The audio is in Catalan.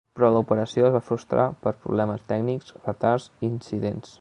Però la operació es va frustrar per problemes tècnics, retards i incidents.